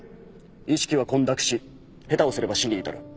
意識は混濁し下手をすれば死に至る。